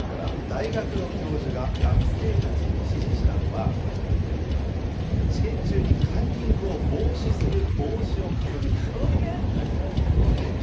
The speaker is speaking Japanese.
大学の教授が学生たちに指示したのは、試験中にカンニングを防止どういうことですか。